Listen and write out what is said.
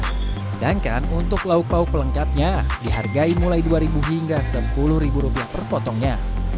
sedangkan untuk lauk pauk pelengkapnya dihargai mulai rp dua hingga rp sepuluh per potongnya